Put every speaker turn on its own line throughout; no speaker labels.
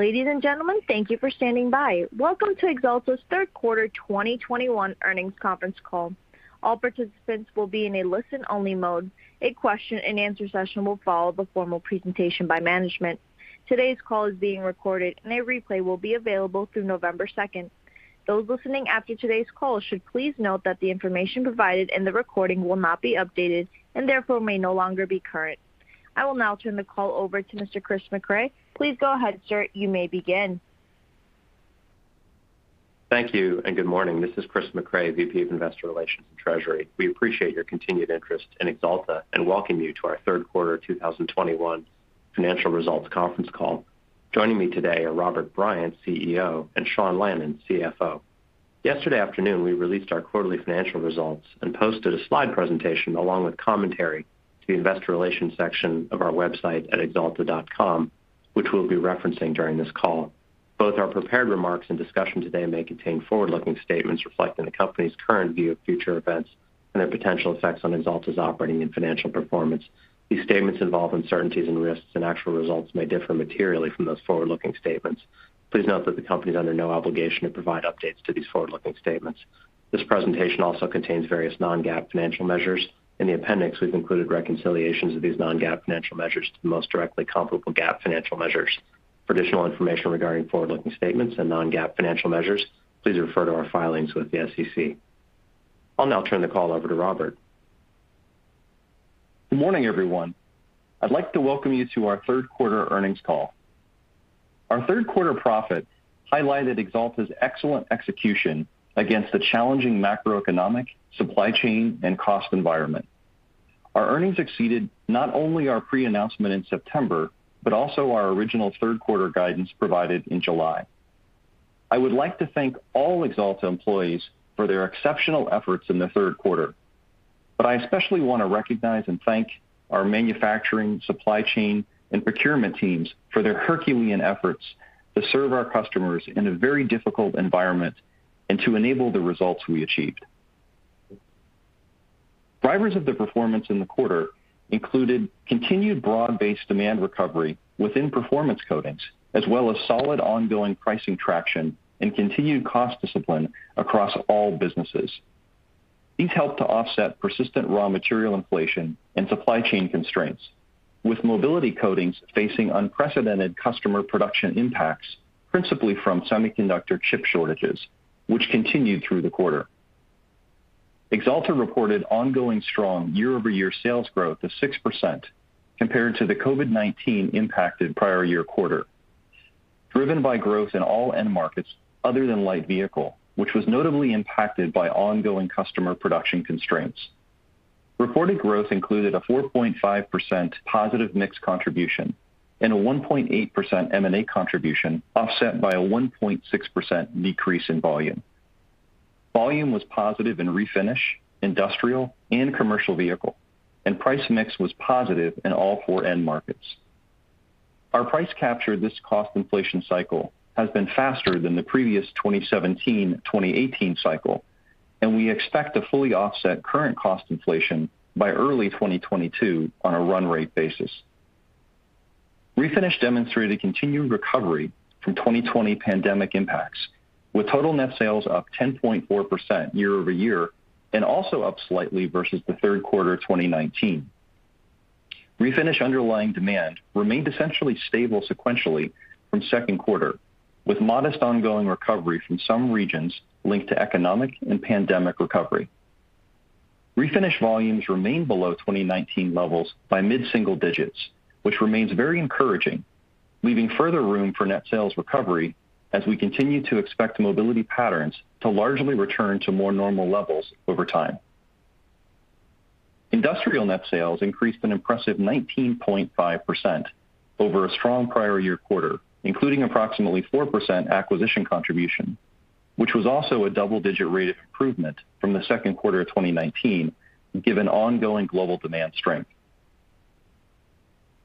Ladies and gentlemen, thank you for standing by. Welcome to Axalta's Q3 2021 Earnings Conference Call. All participants will be in a listen-only mode. A question-and-answer session will follow the formal presentation by management. Today's call is being recorded, and a replay will be available through November 2. Those listening after today's call should please note that the information provided in the recording will not be updated and therefore may no longer be current. I will now turn the call over to Mr. Chris Mecray. Please go ahead, sir. You may begin.
Thank you and good morning. This is Chris Mecray, VP of Investor Relations and Treasury. We appreciate your continued interest in Axalta and welcome you to our Q3 2021 financial results conference call. Joining me today are Robert Bryant, CEO, and Sean Lannon, CFO. Yesterday afternoon, we released our quarterly financial results and posted a slide presentation along with commentary to the investor relations section of our website at axalta.com, which we'll be referencing during this call. Both our prepared remarks and discussion today may contain forward-looking statements reflecting the company's current view of future events and their potential effects on Axalta's operating and financial performance. These statements involve uncertainties and risks, and actual results may differ materially from those forward-looking statements. Please note that the company is under no obligation to provide updates to these forward-looking statements. This presentation also contains various non-GAAP financial measures. In the appendix, we've included reconciliations of these non-GAAP financial measures to the most directly comparable GAAP financial measures. For additional information regarding forward-looking statements and non-GAAP financial measures, please refer to our filings with the SEC. I'll now turn the call over to Robert.
Good morning, everyone. I'd like to welcome you to our Q3 earnings call. Our Q3 profit highlighted Axalta's excellent execution against the challenging macroeconomic, supply chain, and cost environment. Our earnings exceeded not only our pre-announcement in September, but also our original Q3 guidance provided in July. I would like to thank all Axalta employees for their exceptional efforts in the Q3. I especially wanna recognize and thank our manufacturing, supply chain, and procurement teams for their Herculean efforts to serve our customers in a very difficult environment and to enable the results we achieved. Drivers of the performance in the quarter included continued broad-based demand recovery within Performance Coatings, as well as solid ongoing pricing traction and continued cost discipline across all businesses. These helped to offset persistent raw material inflation and supply chain constraints, with Mobility Coatings facing unprecedented customer production impacts, principally from semiconductor chip shortages, which continued through the quarter. Axalta reported ongoing strong year-over-year sales growth of 6% compared to the COVID-19 impacted prior-year quarter, driven by growth in all end markets other than light vehicle, which was notably impacted by ongoing customer production constraints. Reported growth included a 4.5% positive mix contribution and a 1.8% M&A contribution offset by a 1.6% decrease in volume. Volume was positive in refinish, industrial, and commercial vehicle, and price mix was positive in all four end markets. Our price capture this cost inflation cycle has been faster than the previous 2017, 2018 cycle, and we expect to fully offset current cost inflation by early 2022 on a run-rate basis. Refinish demonstrated continued recovery from 2020 pandemic impacts, with total net sales up 10.4% year-over-year and also up slightly versus the Q3 of 2019. Refinish underlying demand remained essentially stable sequentially from Q2, with modest ongoing recovery from some regions linked to economic and pandemic recovery. Refinish volumes remained below 2019 levels by mid-single digits, which remains very encouraging, leaving further room for net sales recovery as we continue to expect mobility patterns to largely return to more normal levels over time. Industrial net sales increased an impressive 19.5% over a strong prior year quarter, including approximately 4% acquisition contribution, which was also a double-digit rate of improvement from the Q2 of 2019, given ongoing global demand strength.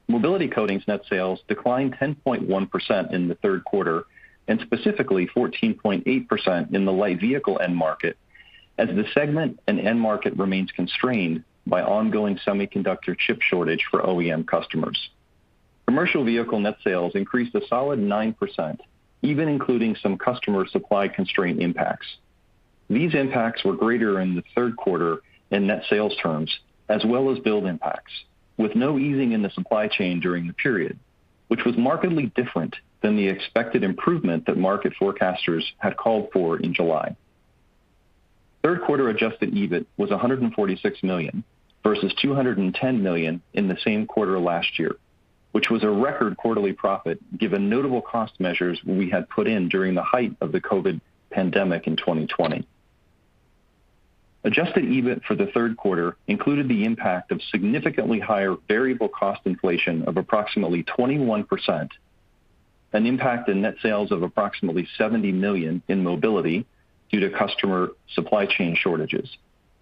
Mobility Coatings net sales declined 10.1% in the Q3 and specifically 14.8% in the light vehicle end market as the segment and end market remain constrained by ongoing semiconductor chip shortage for OEM customers. Commercial vehicle net sales increased a solid 9%, even including some customer supply constraint impacts. These impacts were greater in the Q3 in net sales terms as well as build impacts, with no easing in the supply chain during the period, which was markedly different than the expected improvement that market forecasters had called for in July. Q3 adjusted EBIT was $146 million versus $210 million in the same quarter last year, which was a record quarterly profit given notable cost measures we had put in during the height of the COVID-19 pandemic in 2020. Adjusted EBIT for the Q3 included the impact of significantly higher variable cost inflation of approximately 21%, an impact in net sales of approximately $70 million in mobility due to customer supply chain shortages,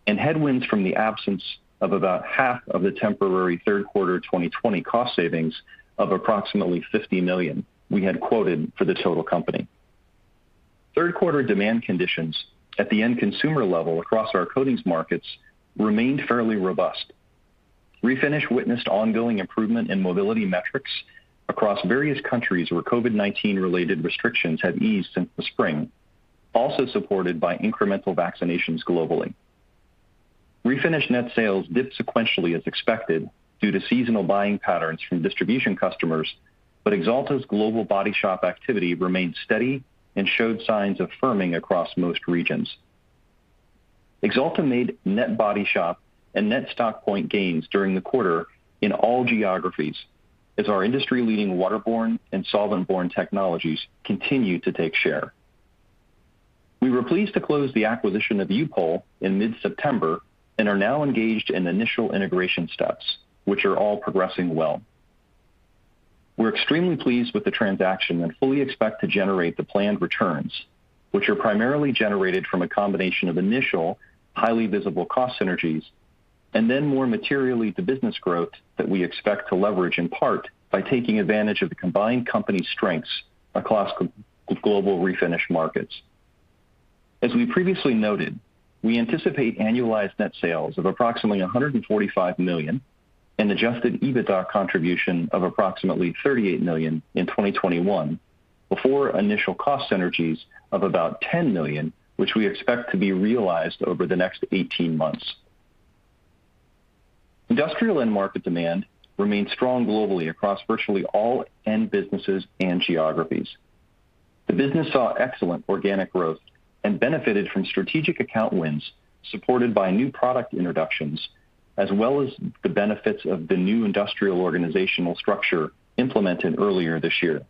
and headwinds from the absence of about half of the temporary Q3 2020 cost savings of approximately $50 million we had quoted for the total company. Q3 demand conditions at the end consumer level across our coatings markets remained fairly robust. Refinish witnessed ongoing improvement in mobility metrics across various countries where COVID-19 related restrictions have eased since the spring, also supported by incremental vaccinations globally. Refinish net sales dipped sequentially as expected due to seasonal buying patterns from distribution customers, but Axalta's global body shop activity remained steady and showed signs of firming across most regions. Axalta made net body shop and net stock point gains during the quarter in all geographies as our industry-leading waterborne and solvent-borne technologies continue to take share. We were pleased to close the acquisition of U-POL in mid-September and are now engaged in initial integration steps, which are all progressing well. We're extremely pleased with the transaction and fully expect to generate the planned returns, which are primarily generated from a combination of initial, highly visible cost synergies, and then more materially, the business growth that we expect to leverage in part by taking advantage of the combined company strengths across global refinish markets. As we previously noted, we anticipate annualized net sales of approximately $145 million and adjusted EBITDA contribution of approximately $38 million in 2021 before initial cost synergies of about $10 million, which we expect to be realized over the next 18 months. Industrial end market demand remained strong globally across virtually all end businesses and geographies. The business saw excellent organic growth and benefited from strategic account wins, supported by new product introductions, as well as the benefits of the new industrial organizational structure implemented earlier this year.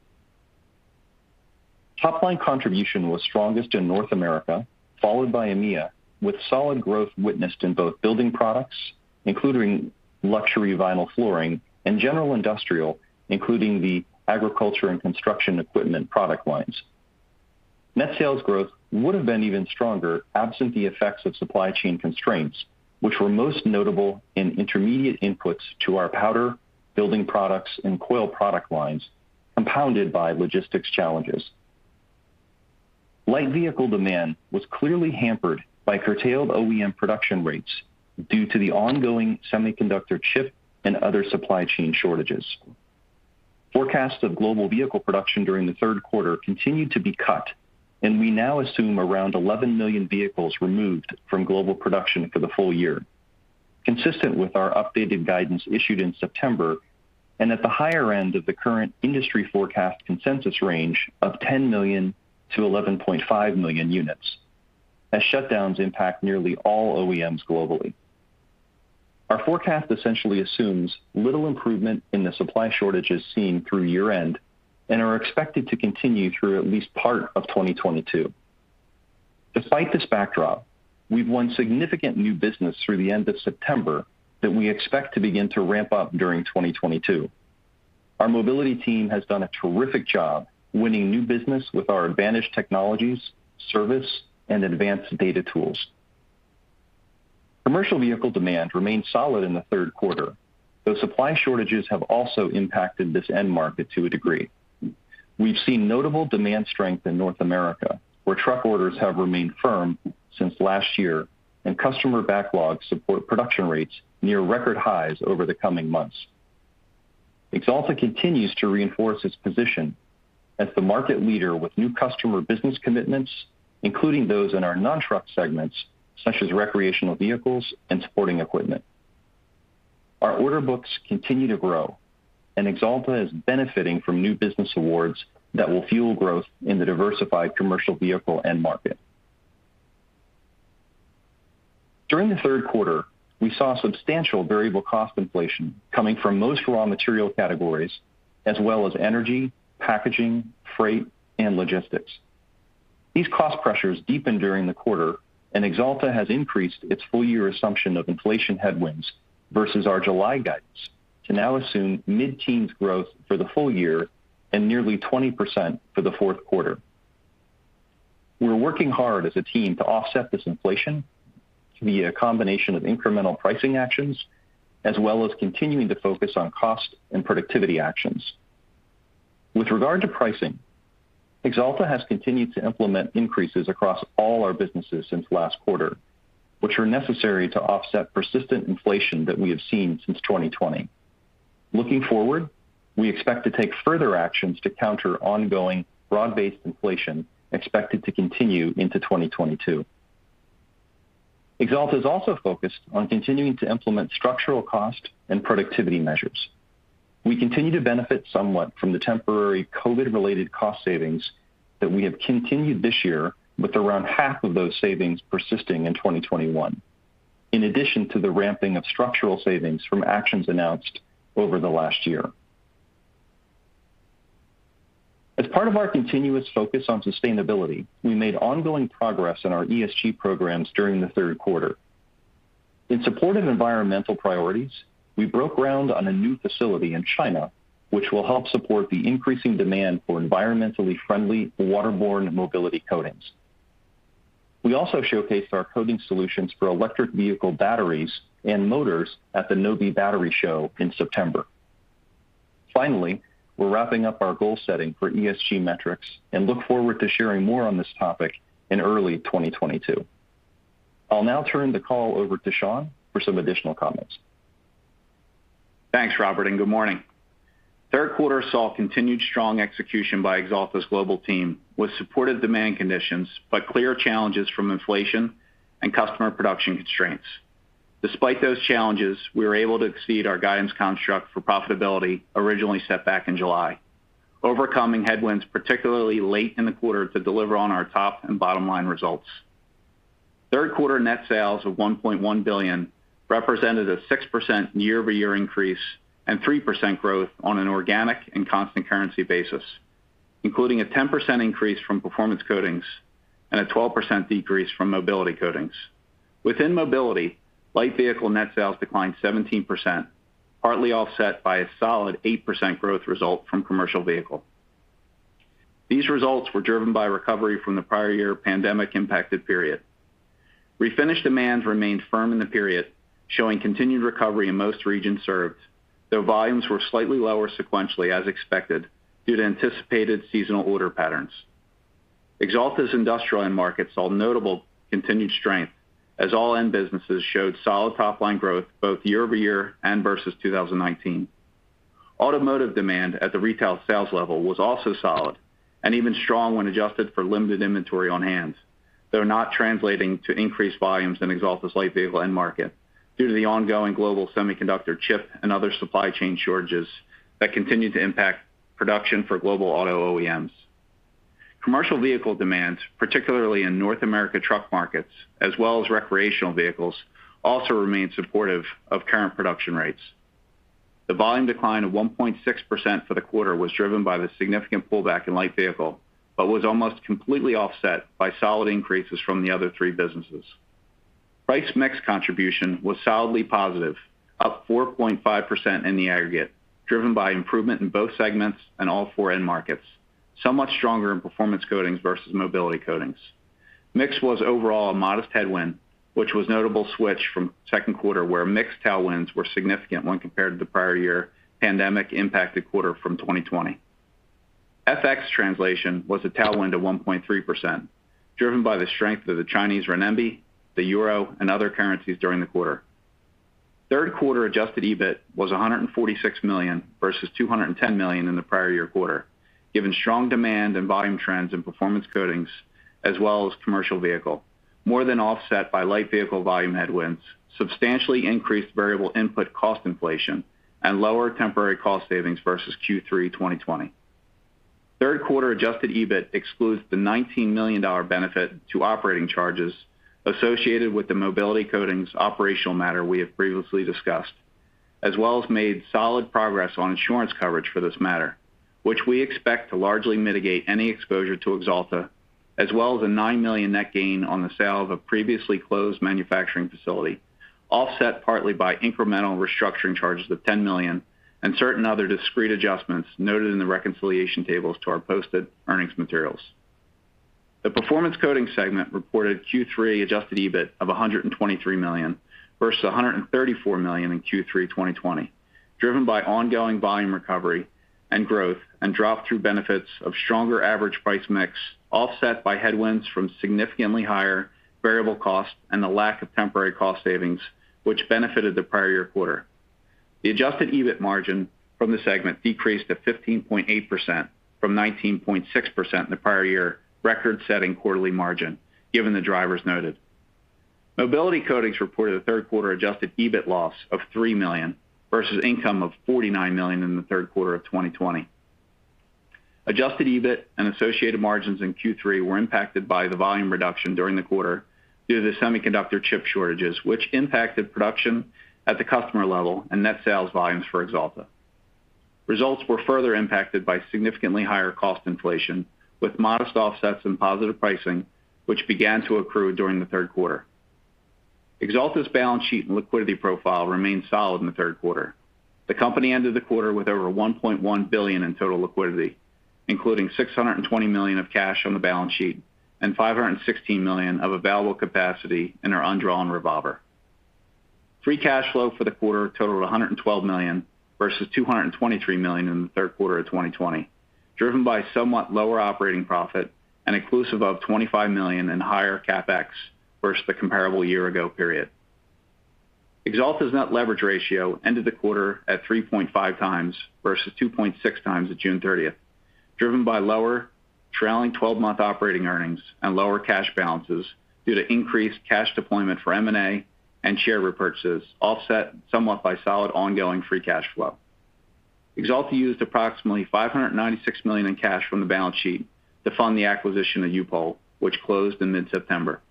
Topline contribution was strongest in North America, followed by EMEA, with solid growth witnessed in both building products, including luxury vinyl flooring and general industrial, including the agriculture and construction equipment product lines. Net sales growth would have been even stronger absent the effects of supply chain constraints, which were most notable in intermediate inputs to our powder building products and coil product lines, compounded by logistics challenges. Light vehicle demand was clearly hampered by curtailed OEM production rates due to the ongoing semiconductor chip and other supply chain shortages. Forecasts of global vehicle production during the Q3 continued to be cut, and we now assume around 11 million vehicles removed from global production for the full year, consistent with our updated guidance issued in September and at the higher end of the current industry forecast consensus range of 10 million-11.5 million units as shutdowns impact nearly all OEMs globally. Our forecast essentially assumes little improvement in the supply shortages seen through year-end and are expected to continue through at least part of 2022. Despite this backdrop, we've won significant new business through the end of September that we expect to begin to ramp up during 2022. Our mobility team has done a terrific job winning new business with our advantage technologies, service, and advanced data tools. Commercial vehicle demand remained solid in the Q3, though supply shortages have also impacted this end market to a degree. We've seen notable demand strength in North America, where truck orders have remained firm since last year, and customer backlogs support production rates near record highs over the coming months. Axalta continues to reinforce its position as the market leader with new customer business commitments, including those in our non-truck segments such as recreational vehicles and sporting equipment. Our order books continue to grow, and Axalta is benefiting from new business awards that will fuel growth in the diversified commercial vehicle end market. During the Q3, we saw substantial variable cost inflation coming from most raw material categories as well as energy, packaging, freight, and logistics. These cost pressures deepened during the quarter, and Axalta has increased its full year assumption of inflation headwinds versus our July guidance to now assume mid-teens growth for the full year and nearly 20% for the Q4. We're working hard as a team to offset this inflation via a combination of incremental pricing actions as well as continuing to focus on cost and productivity actions. With regard to pricing, Axalta has continued to implement increases across all our businesses since last quarter, which are necessary to offset persistent inflation that we have seen since 2020. Looking forward, we expect to take further actions to counter ongoing broad-based inflation expected to continue into 2022. Axalta is also focused on continuing to implement structural cost and productivity measures. We continue to benefit somewhat from the temporary COVID-related cost savings that we have continued this year with around half of those savings persisting in 2021, in addition to the ramping of structural savings from actions announced over the last year. As part of our continuous focus on sustainability, we made ongoing progress in our ESG programs during the Q3. In support of environmental priorities, we broke ground on a new facility in China, which will help support the increasing demand for environmentally friendly waterborne mobility coatings. We also showcased our coating solutions for electric vehicle batteries and motors at The Battery Show North America in September. Finally, we're wrapping up our goal setting for ESG metrics and look forward to sharing more on this topic in early 2022. I'll now turn the call over to Sean for some additional comments.
Thanks, Robert, and good morning. Q3 saw continued strong execution by Axalta's global team with supported demand conditions, but clear challenges from inflation and customer production constraints. Despite those challenges, we were able to exceed our guidance construct for profitability originally set back in July, overcoming headwinds particularly late in the quarter to deliver on our top and bottom-line results. Q3 net sales of $1.1 billion represented a 6% year-over-year increase and 3% growth on an organic and constant currency basis, including a 10% increase from Performance Coatings and a 12% decrease from Mobility Coatings. Within Mobility, light vehicle net sales declined 17%, partly offset by a solid 8% growth result from commercial vehicle. These results were driven by recovery from the prior year pandemic impacted period. Refinish demands remained firm in the period, showing continued recovery in most regions served, though volumes were slightly lower sequentially as expected due to anticipated seasonal order patterns. Axalta's industrial end markets saw notable continued strength as all end businesses showed solid top-line growth both year-over-year and versus 2019. Automotive demand at the retail sales level was also solid and even strong when adjusted for limited inventory on hand, though not translating to increased volumes in Axalta's light vehicle end market due to the ongoing global semiconductor chip and other supply chain shortages that continue to impact production for global auto OEMs. Commercial vehicle demand, particularly in North America truck markets, as well as recreational vehicles, also remain supportive of current production rates. The volume decline of 1.6% for the quarter was driven by the significant pullback in light vehicle, but was almost completely offset by solid increases from the other three businesses. Price mix contribution was solidly positive, up 4.5% in the aggregate, driven by improvement in both segments and all four end markets, somewhat stronger in Performance Coatings versus Mobility Coatings. Mix was overall a modest headwind, which was a notable switch from Q2 where mix tailwinds were significant when compared to the prior year pandemic-impacted quarter from 2020. FX translation was a tailwind of 1.3%, driven by the strength of the Chinese renminbi, the euro, and other currencies during the quarter. Q3 Adjusted EBIT was $146 million versus $210 million in the prior year quarter. Given strong demand and volume trends in Performance Coatings as well as commercial vehicle, more than offset by light vehicle volume headwinds, substantially increased variable input cost inflation and lower temporary cost savings versus Q3 2020. Third-quarter adjusted EBIT excludes the $19 million benefit to operating charges associated with the Mobility Coatings operational matter we have previously discussed, as well as made solid progress on insurance coverage for this matter, which we expect to largely mitigate any exposure to Axalta, as well as a $9 million net gain on the sale of a previously closed manufacturing facility, offset partly by incremental restructuring charges of $10 million and certain other discrete adjustments noted in the reconciliation tables to our posted earnings materials. The Performance Coatings segment reported Q3 adjusted EBIT of $123 million versus $134 million in Q3 2020, driven by ongoing volume recovery and growth and drop-through benefits of stronger average price mix, offset by headwinds from significantly higher variable costs and the lack of temporary cost savings which benefited the prior year quarter. The adjusted EBIT margin from the segment decreased to 15.8% from 19.6% in the prior year, record-setting quarterly margin, given the drivers noted. Mobility Coatings reported a Q3 adjusted EBIT loss of $3 million versus income of $49 million in the Q3 of 2020. Adjusted EBIT and associated margins in Q3 were impacted by the volume reduction during the quarter due to the semiconductor chip shortages, which impacted production at the customer level and net sales volumes for Axalta. Results were further impacted by significantly higher cost inflation with modest offsets and positive pricing, which began to accrue during the Q3. Axalta's balance sheet and liquidity profile remained solid in the Q3. The company ended the quarter with over $1.1 billion in total liquidity, including $620 million of cash on the balance sheet and $516 million of available capacity in our undrawn revolver. Free cash flow for the quarter totaled $112 million versus $223 million in the Q3 of 2020, driven by somewhat lower operating profit and inclusive of $25 million in higher CapEx versus the comparable year ago period. Axalta's net leverage ratio ended the quarter at 3.5x versus 2.6x at June 30, driven by lower trailing twelve-month operating earnings and lower cash balances due to increased cash deployment for M&A and share repurchases, offset somewhat by solid ongoing free cash flow. Axalta used approximately $596 million in cash from the balance sheet to fund the acquisition of U-POL, which closed in mid-September.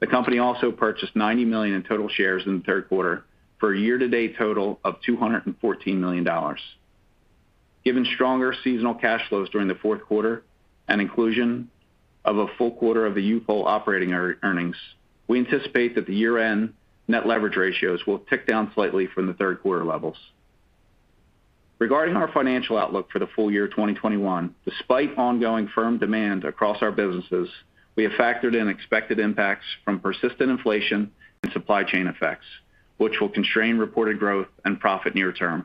The company also purchased $90 million in total shares in the Q3 for a year-to-date total of $214 million. Given stronger seasonal cash flows during the Q4 and inclusion of a full quarter of the U-POL operating earnings, we anticipate that the year-end net leverage ratios will tick down slightly from the Q3 levels. Regarding our financial outlook for the full year 2021, despite ongoing firm demand across our businesses, we have factored in expected impacts from persistent inflation and supply chain effects, which will constrain reported growth and profit near term.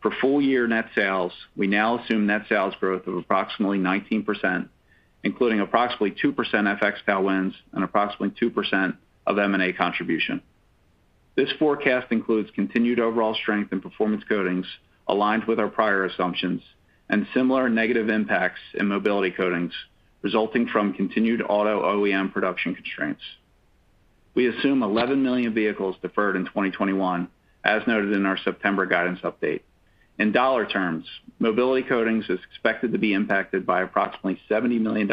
For full year net sales, we now assume net sales growth of approximately 19%, including approximately 2% FX tailwinds and approximately 2% of M&A contribution. This forecast includes continued overall strength in Performance Coatings aligned with our prior assumptions and similar negative impacts in Mobility Coatings resulting from continued auto OEM production constraints. We assume 11 million vehicles deferred in 2021, as noted in our September guidance update. In dollar terms, Mobility Coatings is expected to be impacted by approximately $70 million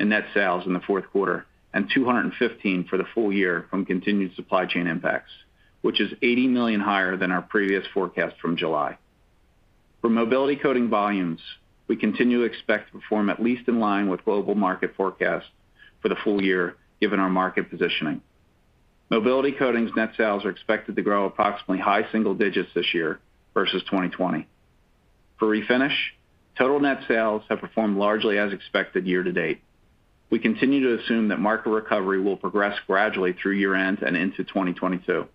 in net sales in the Q4 and $215 million for the full year from continued supply chain impacts, which is $80 million higher than our previous forecast from July. For Mobility Coatings volumes, we continue to expect to perform at least in line with global market forecast for the full year, given our market positioning. Mobility Coatings net sales are expected to grow approximately high single digits this year versus 2020. For Refinish, total net sales have performed largely as expected year to date. We continue to assume that market recovery will progress gradually through year-end and into 2022,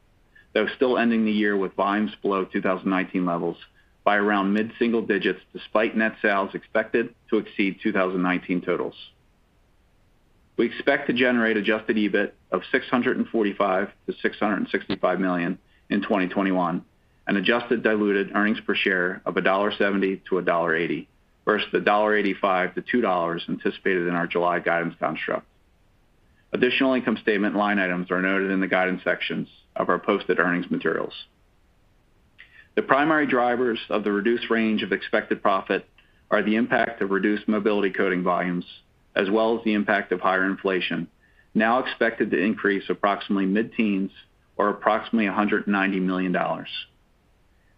though still ending the year with volumes below 2019 levels by around mid-single digits, despite net sales expected to exceed 2019 totals. We expect to generate Adjusted EBIT of $645 million-$665 million in 2021, an adjusted diluted earnings per share of $1.70-$1.80 versus $1.85-$2 anticipated in our July guidance construct. Additional income statement line items are noted in the guidance sections of our posted earnings materials. The primary drivers of the reduced range of expected profit are the impact of reduced Mobility Coatings volumes, as well as the impact of higher inflation, now expected to increase approximately mid-teens or approximately $190 million.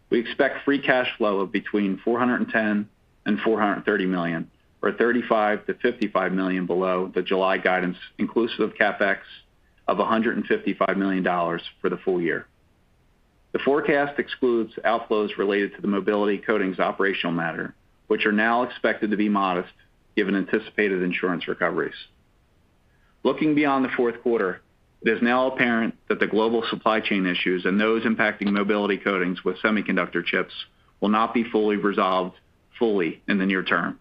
We expect free cash flow of between $410 million and $430 million, or $35 million-$55 million below the July guidance, inclusive CapEx of $155 million for the full year. The forecast excludes outflows related to the Mobility Coatings operational matter, which are now expected to be modest given anticipated insurance recoveries. Looking beyond the Q4, it is now apparent that the global supply chain issues and those impacting Mobility Coatings with semiconductor chips will not be fully resolved in the near term.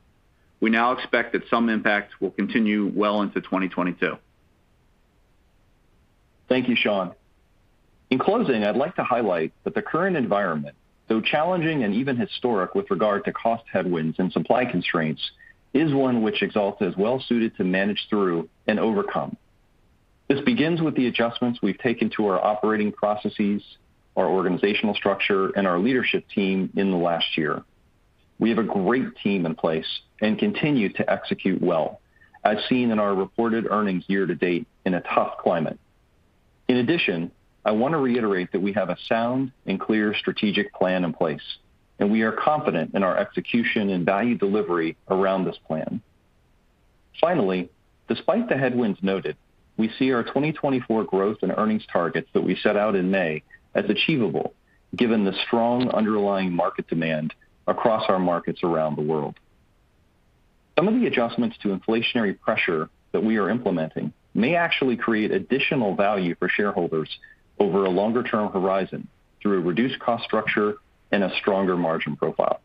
We now expect that some impacts will continue well into 2022.
Thank you, Sean. In closing, I'd like to highlight that the current environment, though challenging and even historic with regard to cost headwinds and supply constraints, is one which Axalta is well suited to manage through and overcome. This begins with the adjustments we've taken to our operating processes, our organizational structure, and our leadership team in the last year. We have a great team in place and continue to execute well, as seen in our reported earnings year to date in a tough climate. In addition, I want to reiterate that we have a sound and clear strategic plan in place, and we are confident in our execution and value delivery around this plan. Finally, despite the headwinds noted, we see our 2024 growth and earnings targets that we set out in May as achievable given the strong underlying market demand across our markets around the world. Some of the adjustments to inflationary pressure that we are implementing may actually create additional value for shareholders over a longer-term horizon through a reduced cost structure and a stronger margin profile.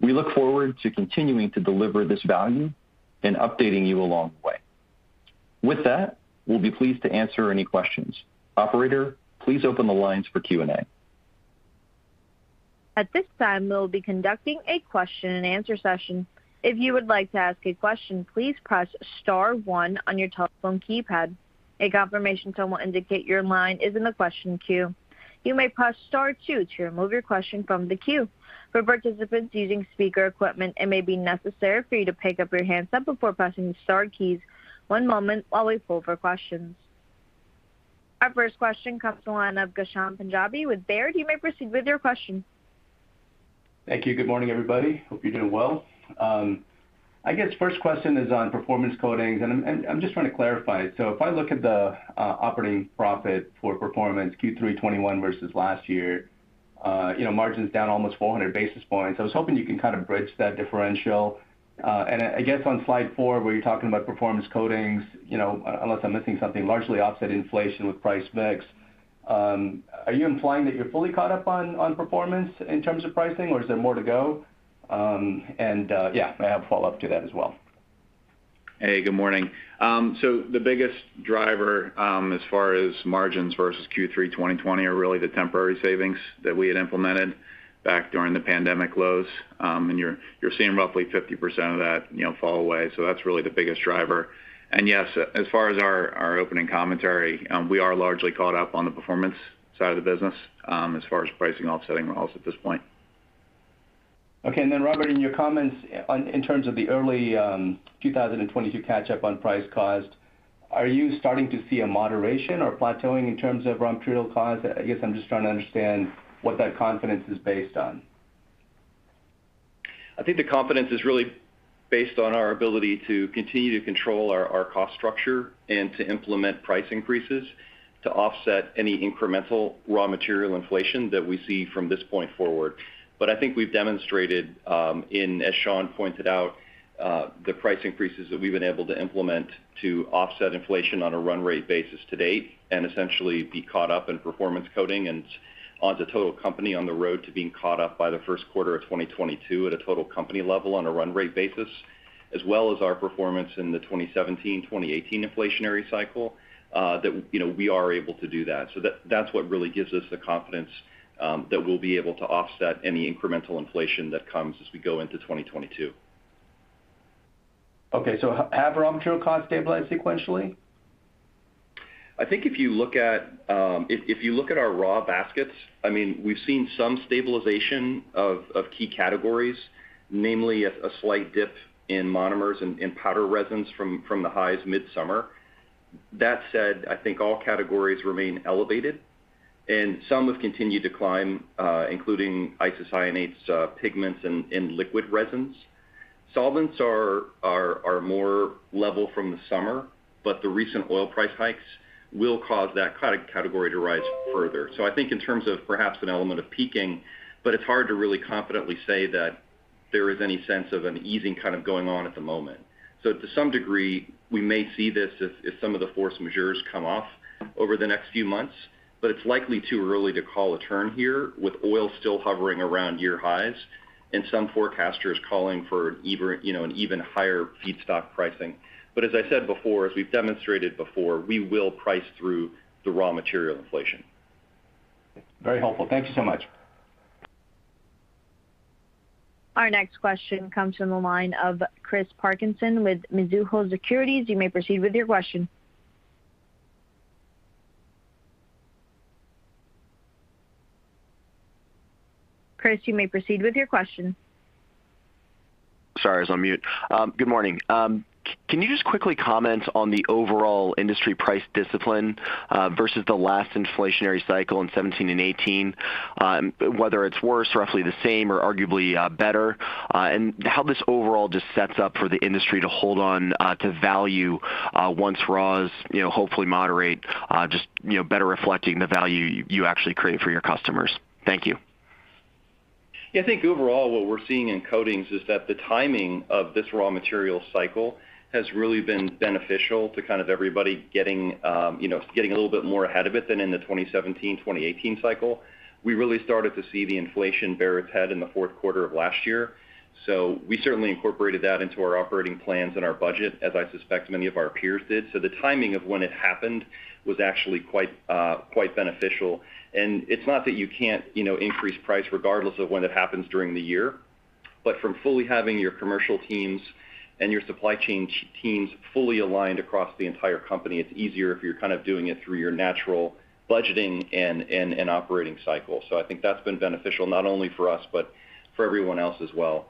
We look forward to continuing to deliver this value and updating you along the way. With that, we'll be pleased to answer any questions. Operator, please open the lines for Q&A.
At this time, we'll be conducting a question and answer session. If you would like to ask a question, please press star one on your telephone keypad. A confirmation tone will indicate your line is in the question queue. You may press star two to remove your question from the queue. For participants using speaker equipment, it may be necessary for you to pick up your handset before pressing the star keys. One moment while we pull for questions. Our first question comes to the line of Ghansham Panjabi with Baird. You may proceed with your question.
Thank you. Good morning, everybody. Hope you're doing well. I guess first question is on Performance Coatings, and I'm just trying to clarify. If I look at the operating profit for Performance Q3 2021 versus last year, you know, margin's down almost 400 basis points. I was hoping you can kind of bridge that differential. I guess on Slide 4, where you're talking about Performance Coatings, you know, unless I'm missing something, largely offset inflation with price mix. Are you implying that you're fully caught up on performance in terms of pricing, or is there more to go? Yeah, I have a follow-up to that as well.
Hey, good morning. The biggest driver as far as margins versus Q3 2020 are really the temporary savings that we had implemented back during the pandemic lows. You're seeing roughly 50% of that, you know, fall away. That's really the biggest driver. Yes, as far as our opening commentary, we are largely caught up on the Performance side of the business, as far as pricing offsetting models at this point.
Okay. Then Robert, in your comments on, in terms of the early, 2022 catch up on price cost, are you starting to see a moderation or plateauing in terms of raw material cost? I guess I'm just trying to understand what that confidence is based on.
I think the confidence is really based on our ability to continue to control our cost structure and to implement price increases to offset any incremental raw material inflation that we see from this point forward. I think we've demonstrated, as Sean pointed out, the price increases that we've been able to implement to offset inflation on a run-rate basis to date, and essentially be caught up in Performance Coatings and onto total company on the road to being caught up by the Q1 of 2022 at a total company level on a run-rate basis, as well as our performance in the 2017, 2018 inflationary cycle, that, you know, we are able to do that. That's what really gives us the confidence that we'll be able to offset any incremental inflation that comes as we go into 2022.
Okay. Have raw material costs stabilized sequentially?
I think if you look at our raw baskets, I mean, we've seen some stabilization of key categories, namely a slight dip in monomers and powder resins from the highs midsummer. That said, I think all categories remain elevated, and some have continued to climb, including isocyanates, pigments and liquid resins. Solvents are more level from the summer, but the recent oil price hikes will cause that category to rise further. I think in terms of perhaps an element of peaking, but it's hard to really confidently say that there is any sense of an easing kind of going on at the moment. To some degree, we may see this as some of the force majeure come off over the next few months, but it's likely too early to call a turn here with oil still hovering around year highs and some forecasters calling for an even, you know, higher feedstock pricing. As I said before, as we've demonstrated before, we will price through the raw material inflation.
Very helpful. Thank you so much.
Our next question comes from the line of Christopher Parkinson with Mizuho Securities. You may proceed with your question. Chris, you may proceed with your question.
Good morning. Can you just quickly comment on the overall industry price discipline versus the last inflationary cycle in 2017 and 2018, whether it's worse, roughly the same or arguably better, and how this overall just sets up for the industry to hold on to value once raws, you know, hopefully moderate, just, you know, better reflecting the value you actually create for your customers. Thank you.
Yeah, I think overall what we're seeing in coatings is that the timing of this raw material cycle has really been beneficial to kind of everybody getting, you know, getting a little bit more ahead of it than in the 2017, 2018 cycle. We really started to see the inflation bear its head in the Q4 of last year. We certainly incorporated that into our operating plans and our budget, as I suspect many of our peers did. The timing of when it happened was actually quite beneficial. It's not that you can't, you know, increase price regardless of when it happens during the year. From fully having your commercial teams and your supply chain teams fully aligned across the entire company, it's easier if you're kind of doing it through your natural budgeting and operating cycle. I think that's been beneficial not only for us, but for everyone else as well.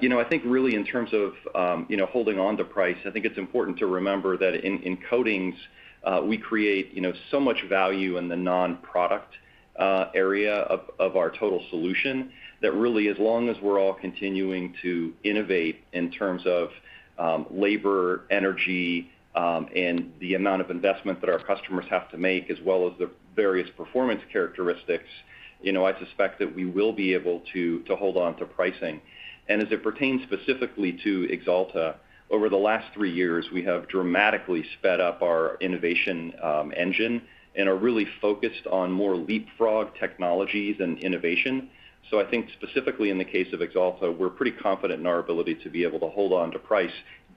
You know, I think really in terms of, you know, holding onto price, I think it's important to remember that in coatings, we create, you know, so much value in the non-product, area of our total solution that really, as long as we're all continuing to innovate in terms of, labor, energy, and the amount of investment that our customers have to make, as well as the various performance characteristics, you know, I suspect that we will be able to hold on to pricing. As it pertains specifically to Axalta, over the last three years, we have dramatically sped up our innovation, engine and are really focused on more leapfrog technologies and innovation. I think specifically in the case of Axalta, we're pretty confident in our ability to be able to hold on to price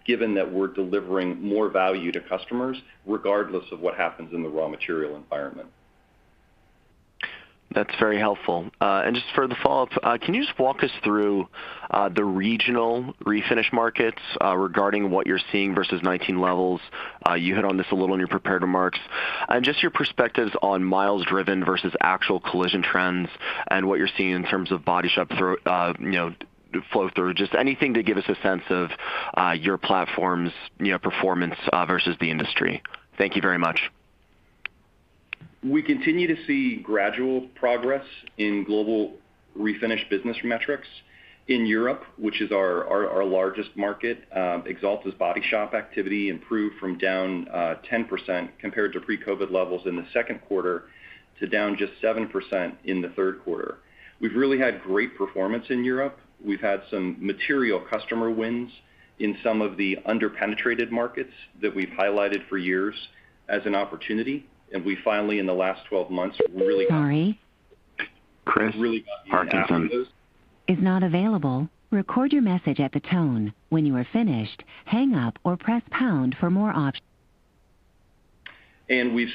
given that we're delivering more value to customers regardless of what happens in the raw material environment.
That's very helpful. And just for the follow-up, can you just walk us through the regional refinish markets regarding what you're seeing versus 2019 levels? You hit on this a little in your prepared remarks. Just your perspectives on miles driven versus actual collision trends and what you're seeing in terms of body shop, you know, flow through. Just anything to give us a sense of your platform's, you know, performance versus the industry. Thank you very much.
We continue to see gradual progress in global refinish business metrics. In Europe, which is our largest market, Axalta's body shop activity improved from down 10% compared to pre-COVID levels in the Q2 to down just 7% in the Q3. We've really had great performance in Europe. We've had some material customer wins in some of the under-penetrated markets that we've highlighted for years as an opportunity, and we finally, in the last 12 months, really. We've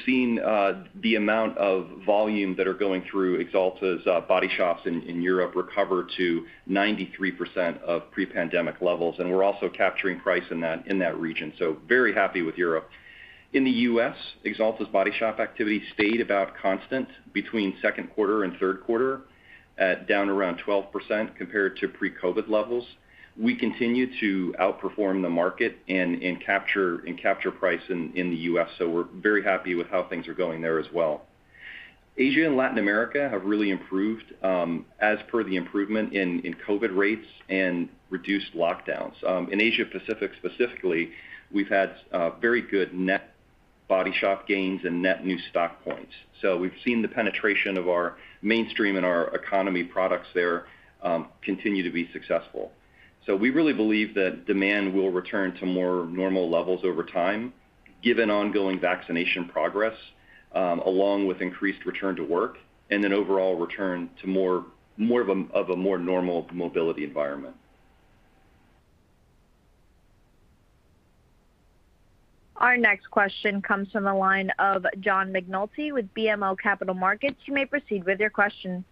seen the amount of volume that are going through Axalta's body shops in Europe recover to 93% of pre-pandemic levels, and we're also capturing price in that region. Very happy with Europe. In the U.S., Axalta's body shop activity stayed about constant between Q2 and Q3 at down around 12% compared to pre-COVID levels. We continue to outperform the market and capture price in the U.S., so we're very happy with how things are going there as well. Asia and Latin America have really improved, as per the improvement in COVID rates and reduced lockdowns. In Asia Pacific specifically, we've had very good net body shop gains and net new stock points. We've seen the penetration of our mainstream and our economy products there continue to be successful. We really believe that demand will return to more normal levels over time, given ongoing vaccination progress, along with increased return to work and an overall return to more of a normal mobility environment.
Our next question comes from the line of John McNulty with BMO Capital Markets. You may proceed with your question.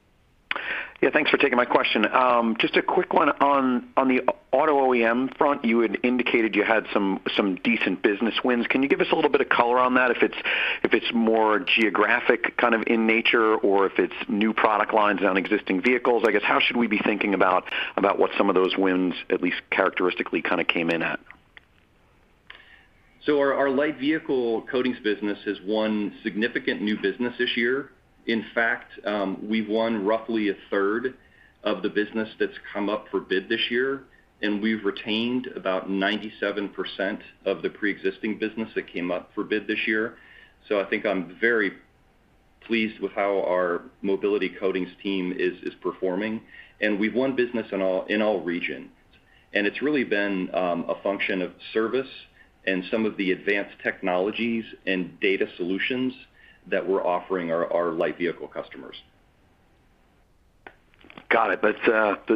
Yeah, thanks for taking my question. Just a quick one on the auto OEM front. You had indicated you had some decent business wins. Can you give us a little bit of color on that, if it's more geographic kind of in nature, or if it's new product lines on existing vehicles? I guess, how should we be thinking about what some of those wins at least characteristically kind of came in at?
Our light vehicle coatings business has won significant new business this year. In fact, we've won roughly 1/3 of the business that's come up for bid this year, and we've retained about 97% of the preexisting business that came up for bid this year. I think I'm very pleased with how our Mobility Coatings team is performing. We've won business in all regions. It's really been a function of service and some of the advanced technologies and data solutions that we're offering our light vehicle customers.
Got it.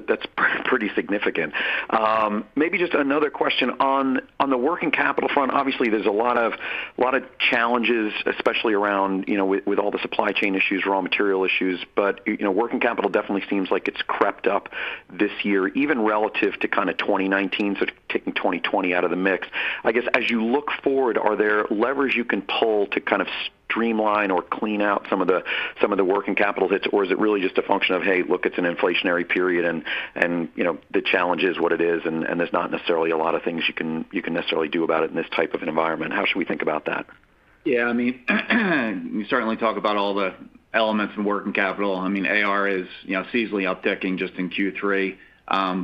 That's pretty significant. Maybe just another question. On the working capital front, obviously there's a lot of challenges, especially around, with all the supply chain issues, raw material issues. You know, working capital definitely seems like it's crept up this year, even relative to kind of 2019, so taking 2020 out of the mix. I guess, as you look forward, are there levers you can pull to kind of streamline or clean out some of the working capital hits? Or is it really just a function of, hey, look, it's an inflationary period and, you know, the challenge is what it is, and there's not necessarily a lot of things you can necessarily do about it in this type of environment? How should we think about that?
Yeah, I mean, we certainly talk about all the elements in working capital. I mean, AR is, you know, seasonally upticking just in Q3.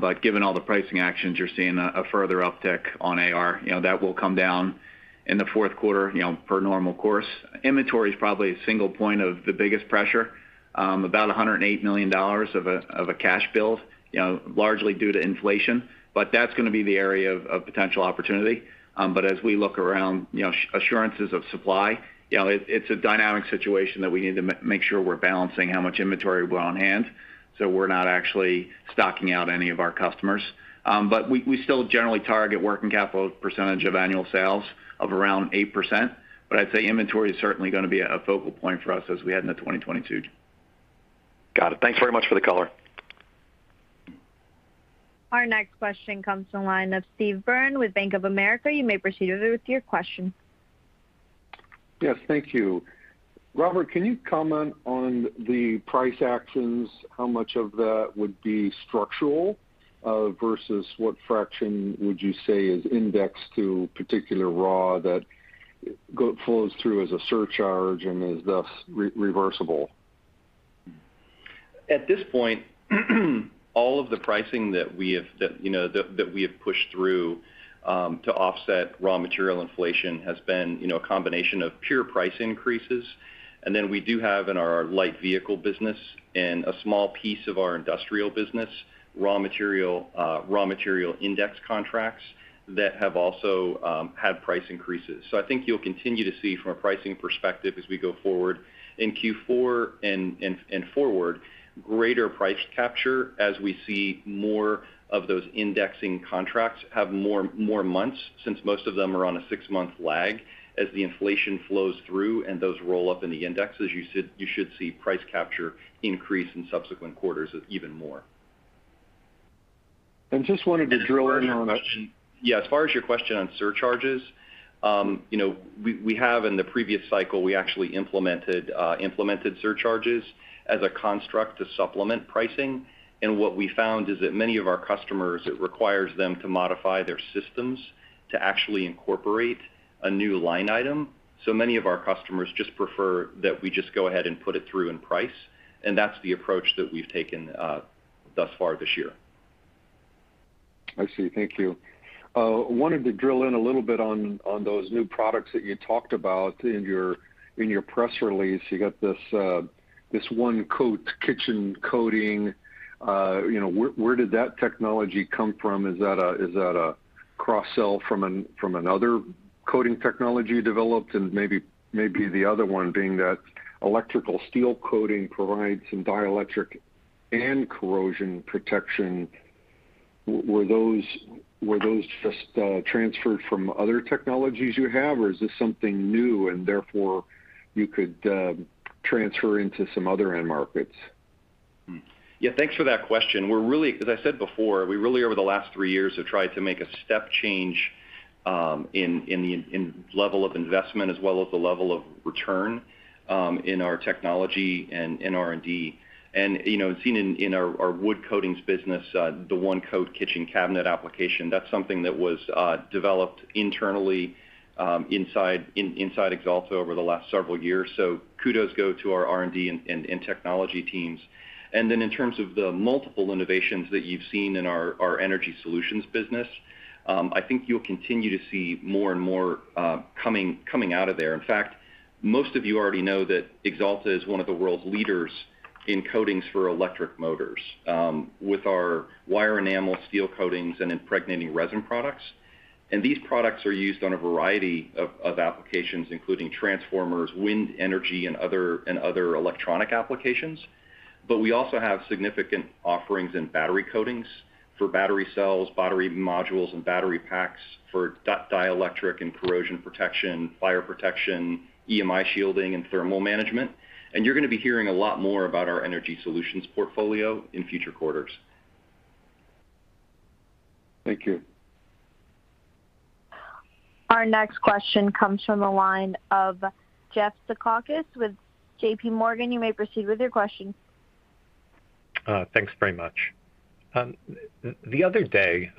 But given all the pricing actions, you're seeing a further uptick on AR. You know, that will come down in the Q4, you know, per normal course. Inventory is probably a single point of the biggest pressure, about $108 million of a cash build, you know, largely due to inflation. But that's gonna be the area of potential opportunity. But as we look around, you know, assurances of supply, you know, it's a dynamic situation that we need to make sure we're balancing how much inventory we want on hand, so we're not actually stocking out any of our customers. We still generally target working capital percentage of annual sales of around 8%. I'd say inventory is certainly gonna be a focal point for us as we head into 2022.
Got it. Thanks very much for the color.
Our next question comes from the line of Steve Byrne with Bank of America. You may proceed with your question.
Yes, thank you. Robert, can you comment on the price actions? How much of that would be structural versus what fraction would you say is indexed to particular raw flows through as a surcharge and is thus reversible?
At this point, all of the pricing that we have pushed through to offset raw material inflation has been, you know, a combination of pure price increases. Then we do have in our light vehicle business and a small piece of our industrial business raw material index contracts that have also had price increases. I think you'll continue to see from a pricing perspective as we go forward in Q4 and forward greater price capture as we see more of those indexing contracts have more months, since most of them are on a six-month lag as the inflation flows through and those roll up in the index. As you should see price capture increase in subsequent quarters even more.
I just wanted to drill in on that.
Yeah, as far as your question on surcharges, we have in the previous cycle, we actually implemented surcharges as a construct to supplement pricing. What we found is that many of our customers, it requires them to modify their systems to actually incorporate a new line item. Many of our customers just prefer that we just go ahead and put it through in price, and that's the approach that we've taken thus far this year.
I see. Thank you. Wanted to drill in a little bit on those new products that you talked about in your press release. You got this one coat kitchen coating. You know, where did that technology come from? Is that a cross-sell from another coating technology developed? Maybe the other one being that electrical steel coating provides some dielectric and corrosion protection. Were those just transferred from other technologies you have, or is this something new and therefore you could transfer into some other end markets?
Yeah. Thanks for that question. We're really, as I said before, over the last three years have tried to make a step change in the level of investment as well as the level of return in our technology and in R&D. You know, seen in our wood coatings business, the one-coat kitchen cabinet application, that's something that was developed internally inside Axalta over the last several years. So kudos go to our R&D and technology teams. Then in terms of the multiple innovations that you've seen in our Energy Solutions business, I think you'll continue to see more and more coming out of there. In fact, most of you already know that Axalta is one of the world's leaders in coatings for electric motors with our wire enamel steel coatings and impregnating resin products. These products are used on a variety of applications, including transformers, wind energy, and other electronic applications. We also have significant offerings in battery coatings for battery cells, battery modules, and battery packs for dielectric and corrosion protection, fire protection, EMI shielding, and thermal management. You're gonna be hearing a lot more about our Energy Solutions portfolio in future quarters.
Thank you.
Our next question comes from the line of Jeff Zekauskas with JPMorgan. You may proceed with your question.
Thanks very much. The other day,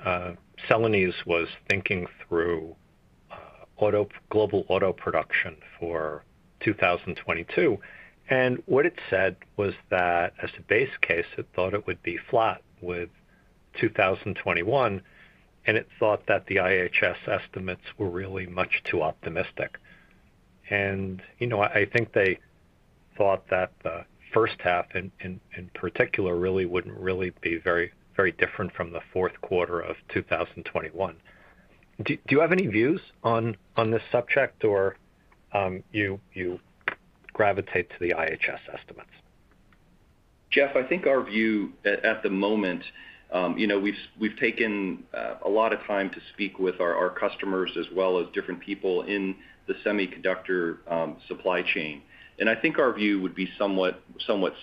Celanese was thinking through global auto production for 2022, and what it said was that as the base case, it thought it would be flat with 2021, and it thought that the IHS estimates were really much too optimistic. You know, I think they thought that the first half in particular wouldn't be very different from the Q4 of 2021. Do you have any views on this subject or you gravitate to the IHS estimates?
Jeff, I think our view at the moment, you know, we've taken a lot of time to speak with our customers as well as different people in the semiconductor supply chain. I think our view would be somewhat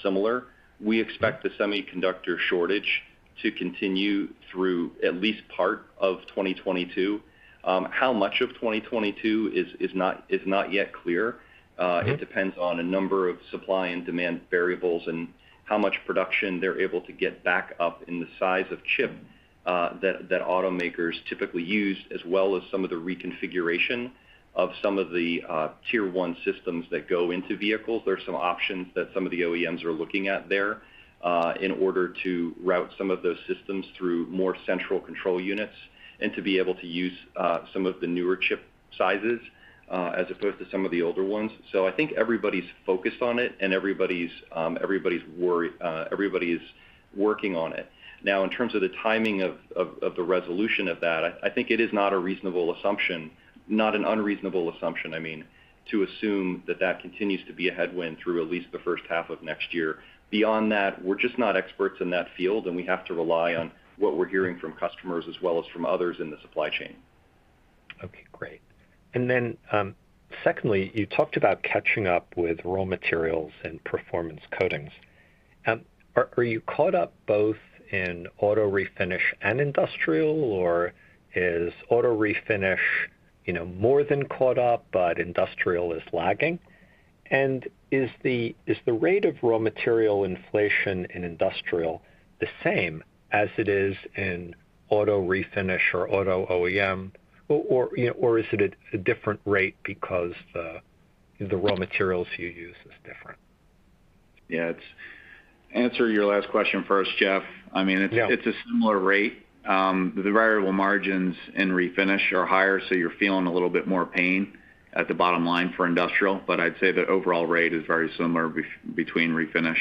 similar. We expect the semiconductor shortage to continue through at least part of 2022. How much of 2022 is not yet clear. It depends on a number of supply and demand variables and how much production they're able to get back up in the size of chip that automakers typically use, as well as some of the reconfiguration of some of the Tier 1 systems that go into vehicles. There's some options that some of the OEMs are looking at there in order to route some of those systems through more central control units and to be able to use some of the newer chip sizes as opposed to some of the older ones. I think everybody's focused on it and everybody's working on it. Now, in terms of the timing of the resolution of that, I think it is not a reasonable assumption, not an unreasonable assumption, I mean, to assume that that continues to be a headwind through at least the first half of next year. Beyond that, we're just not experts in that field, and we have to rely on what we're hearing from customers as well as from others in the supply chain.
Okay, great. Secondly, you talked about catching up with raw materials and Performance Coatings. Are you caught up both in auto refinish and industrial, or is auto refinish, you know, more than caught up, but industrial is lagging? Is the rate of raw material inflation in industrial the same as it is in auto refinish or auto OEM? Or you know, or is it at a different rate because the raw materials you use is different?
Yeah. To answer your last question first, Jeff.
Yeah.
I mean, it's a similar rate. The variable margins in refinish are higher, so you're feeling a little bit more pain at the bottom line for industrial. I'd say the overall rate is very similar between refinish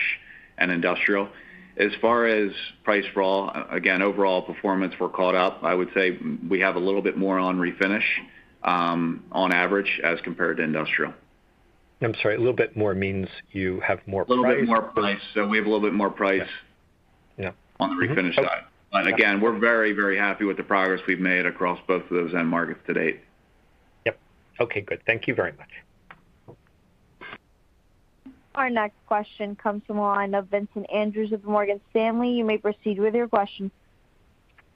and industrial. As far as price raw, again, overall performance, we're caught up. I would say we have a little bit more on refinish, on average as compared to industrial.
I'm sorry, a little bit more means you have more price?
We have a little bit more price.
Yeah. Mm-hmm.
on the refinish side. We're very, very happy with the progress we've made across both of those end markets to date.
Yep. Okay, good. Thank you very much.
Our next question comes from the line of Vincent Andrews of Morgan Stanley. You may proceed with your question.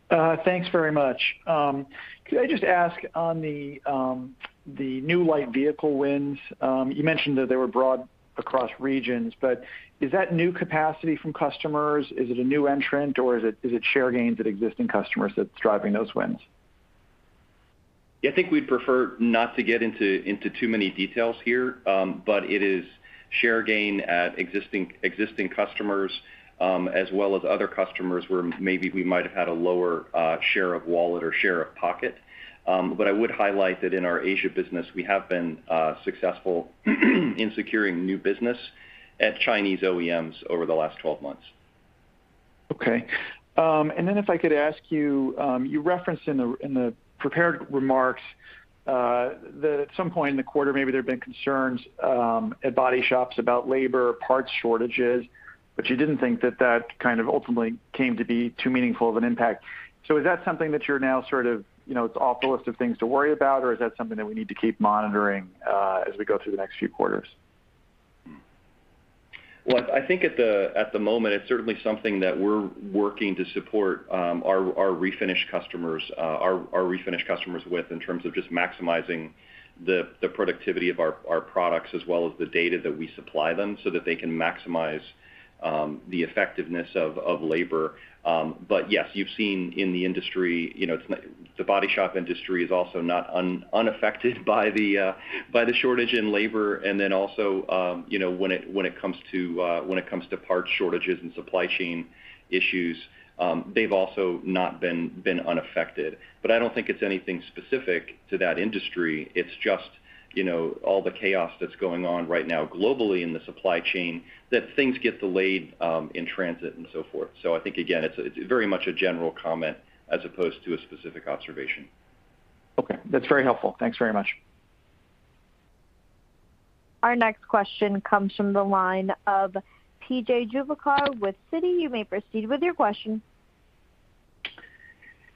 Thanks very much. Could I just ask on the new light vehicle wins? You mentioned that they were broad across regions, but is that new capacity from customers? Is it a new entrant, or is it share gains at existing customers that's driving those wins?
Yeah, I think we'd prefer not to get into too many details here. It is share gain at existing customers, as well as other customers where maybe we might have had a lower share of wallet or share of pocket. I would highlight that in our Asia business, we have been successful in securing new business at Chinese OEMs over the last 12 months.
Okay. If I could ask you referenced in the prepared remarks that at some point in the quarter, maybe there have been concerns at body shops about labor, parts shortages, but you didn't think that kind of ultimately came to be too meaningful of an impact. Is that something that you're now sort of, you know, it's off the list of things to worry about, or is that something that we need to keep monitoring as we go through the next few quarters?
Well, I think at the moment, it's certainly something that we're working to support our refinish customers with in terms of just maximizing the productivity of our products as well as the data that we supply them so that they can maximize the effectiveness of labor. Yes, you've seen in the industry, you know, the body shop industry is also not unaffected by the shortage in labor. Then also, you know, when it comes to parts shortages and supply chain issues, they've also not been unaffected. I don't think it's anything specific to that industry. It's just, you know, all the chaos that's going on right now globally in the supply chain that things get delayed in transit and so forth. I think again, it's very much a general comment as opposed to a specific observation.
Okay. That's very helpful. Thanks very much.
Our next question comes from the line of P.J. Juvekar with Citi. You may proceed with your question.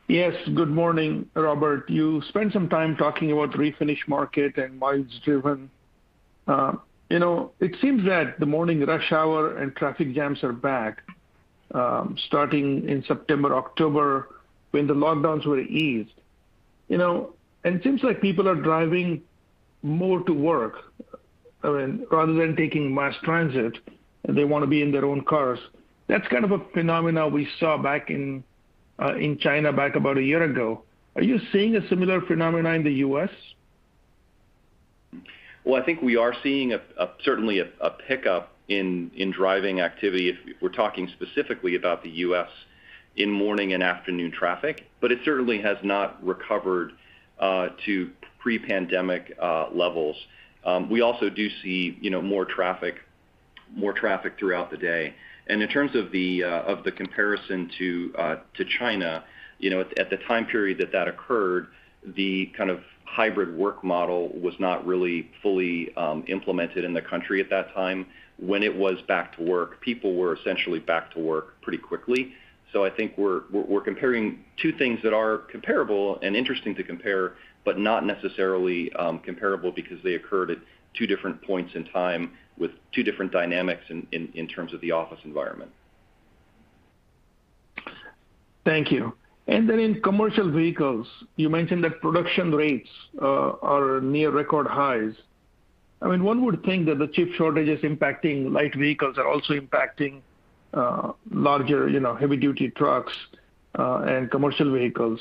Yes. Good morning, Robert. You spent some time talking about refinish market and miles driven. You know, it seems that the morning rush hour and traffic jams are back, starting in September, October, when the lockdowns were eased. You know, it seems like people are driving more to work. I mean, rather than taking mass transit, they wanna be in their own cars. That's kind of a phenomenon we saw back in China back about a year ago. Are you seeing a similar phenomenon in the U.S.?
Well, I think we are seeing certainly a pickup in driving activity if we're talking specifically about the U.S. in morning and afternoon traffic, but it certainly has not recovered to pre-pandemic levels. We also do see, you know, more traffic throughout the day. In terms of the comparison to China, you know, at the time period that that occurred, the kind of hybrid work model was not really fully implemented in the country at that time. When it was back to work, people were essentially back to work pretty quickly. I think we're comparing two things that are comparable and interesting to compare, but not necessarily comparable because they occurred at two different points in time with two different dynamics in terms of the office environment.
Thank you. In commercial vehicles, you mentioned that production rates are near record highs. I mean, one would think that the chip shortages impacting light vehicles are also impacting larger, you know, heavy-duty trucks and commercial vehicles.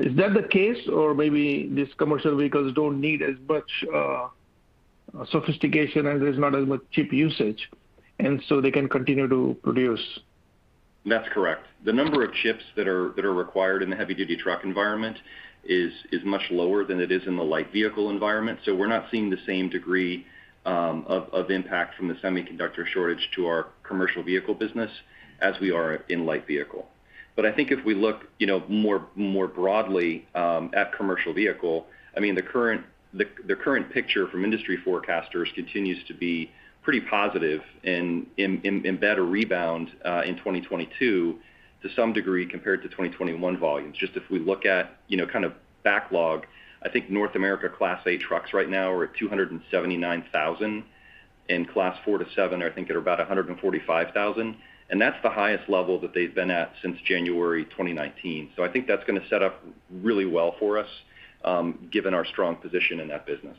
Is that the case? Or maybe these commercial vehicles don't need as much sophistication and there's not as much chip usage, and so they can continue to produce.
That's correct. The number of chips that are required in the heavy-duty truck environment is much lower than it is in the light vehicle environment. We're not seeing the same degree of impact from the semiconductor shortage to our commercial vehicle business as we are in light vehicle. I think if we look you know more broadly at commercial vehicle, I mean, the current picture from industry forecasters continues to be pretty positive and embed a rebound in 2022 to some degree compared to 2021 volumes. Just if we look at you know kind of backlog, I think North America Class 8 trucks right now are at 279,000, and Class 4–7, I think, are about 145,000. That's the highest level that they've been at since January 2019. I think that's gonna set up really well for us, given our strong position in that business.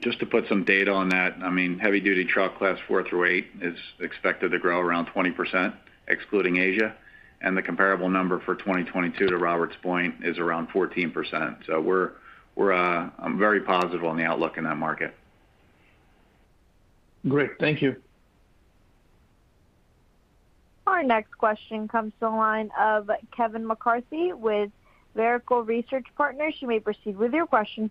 Just to put some data on that, I mean, heavy-duty truck Class 4–8 is expected to grow around 20%, excluding Asia. The comparable number for 2022, to Robert's point, is around 14%. We're very positive on the outlook in that market.
Great. Thank you.
Our next question comes to the line of Kevin McCarthy with Vertical Research Partners. You may proceed with your question.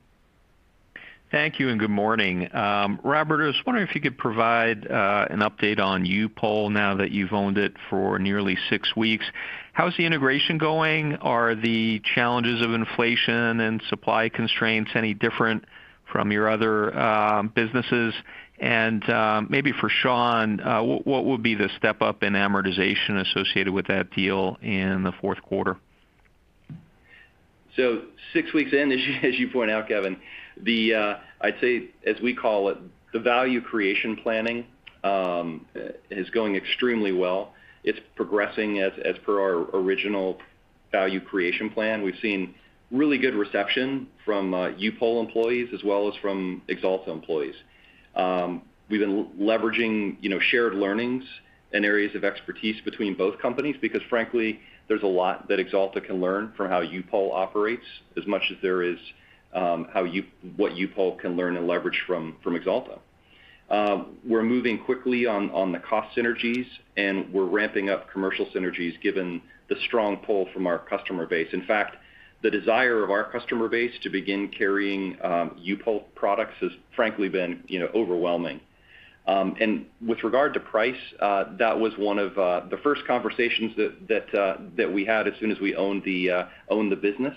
Thank you and good morning. Robert, I was wondering if you could provide an update on U-POL now that you've owned it for nearly six weeks. How is the integration going? Are the challenges of inflation and supply constraints any different from your other businesses? Maybe for Sean, what would be the step up in amortization associated with that deal in the Q4?
Six weeks in, as you point out, Kevin, I'd say, as we call it, the value creation planning is going extremely well. It's progressing as per our original value creation plan. We've seen really good reception from U-POL employees as well as from Axalta employees. We've been leveraging, you know, shared learnings and areas of expertise between both companies because frankly, there's a lot that Axalta can learn from how U-POL operates as much as there is, what U-POL can learn and leverage from Axalta. We're moving quickly on the cost synergies, and we're ramping up commercial synergies given the strong pull from our customer base. In fact, the desire of our customer base to begin carrying U-POL products has frankly been, you know, overwhelming. With regard to price, that was one of the first conversations that we had as soon as we owned the business.